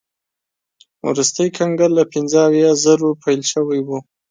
وروستی کنګل له پنځه اویا زرو پیل شوی و.